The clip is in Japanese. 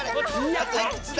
あといくつだ？